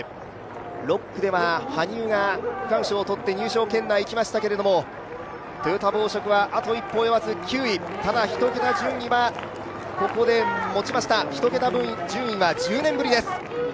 ６区では羽生が区間賞を取って入賞圏内にいきましたけれども、トヨタ紡織はあと一歩及ばず９位、ただ１桁順位はここでもちました、１桁順位は１０年ぶりです。